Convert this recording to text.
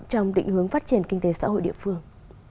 trong định hướng phát triển kinh tế xã hội địa phương